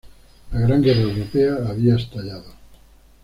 La Gran Guerra Europea había estallado.